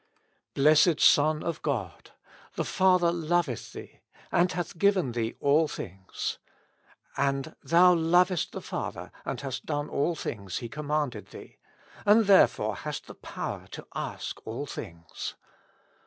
Blessed Son of God ! the Father loveth Thee and hath given Thee all things. And Thou lovest the Father, and hast done all things He commanded Thee, and therefore hast the power to ask all things.